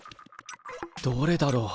どれだろう？